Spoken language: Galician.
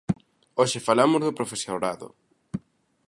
Hoxe falamos do profesorado.